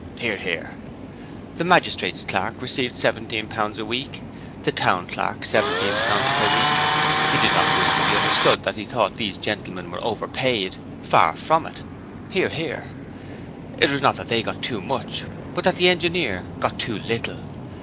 (Hear, hear.) The magistrates' clerk received seventeen pounds a week. The Town Clerk seventeen pounds per week. He did not wish it to be understood that he thought those gentlemen were overpaid far from it. (Hear, hear.) It was not that they got too much but that the Engineer got too little.